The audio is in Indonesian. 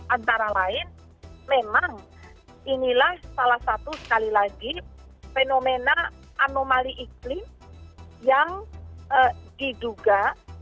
antara lain memang inilah salah satu sekali lagi fenomena anomali iklim yang diduga